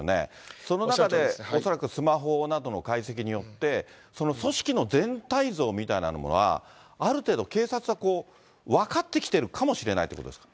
その中で、恐らくスマホなどの解析によって、その組織の全体像みたいなものが、ある程度、警察は分かってきているかもしれないということですか？